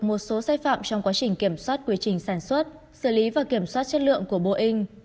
một số sai phạm trong quá trình kiểm soát quy trình sản xuất xử lý và kiểm soát chất lượng của boeing